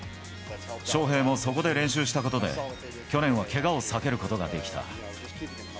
翔平もそこで練習したことで、去年はけがを避けることができた。